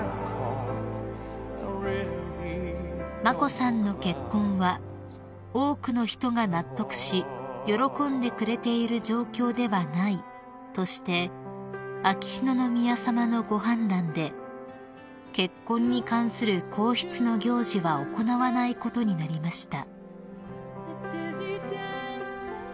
［眞子さんの結婚は「多くの人が納得し喜んでくれている状況ではない」として秋篠宮さまのご判断で結婚に関する皇室の行事は行わないことになりました］